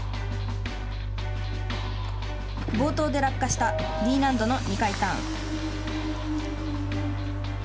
冒頭で落下したＤ難度の２回ターン。